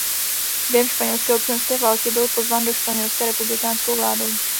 Během španělské občanské války byl pozván do Španělska republikánskou vládou.